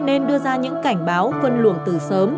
nên đưa ra những cảnh báo phân luồng từ sớm